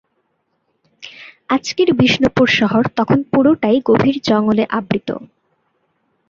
আজকের বিষ্ণুপুর শহর তখন পুরোটাই গভীর জঙ্গলে আবৃত।